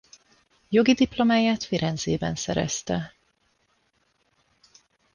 Jogi diplomáját Firenzében szerezte.